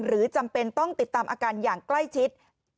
จำเป็นต้องติดตามอาการอย่างใกล้ชิด